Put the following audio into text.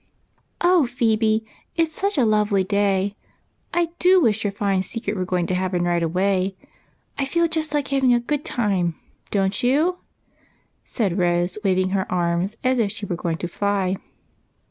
" Oh, Phebe, it 's such a lovely day, I do wish your fine secret was going to happen right away ! I feel just like having a good time ; don't you?" said Rose, waving her arms as if she was going to fly.